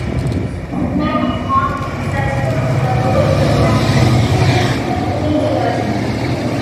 Many small to mid-sized firms have both a tax and an auditing department.